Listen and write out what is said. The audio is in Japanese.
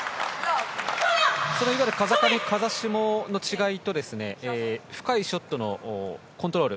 風上、風下の違いと深いショットのコントロール